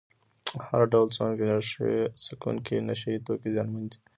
هر ډول څکونکي نشه یې توکي زیانمن دي.